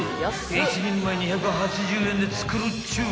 １人前２８０円で作るっちゅう］